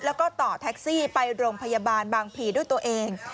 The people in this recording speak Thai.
แล้วก็ต่อแท็กซี่ไปโรงพยาบาลบางผีด้วยตัวเอง